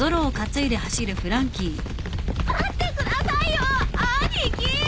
待ってくださいよ兄貴！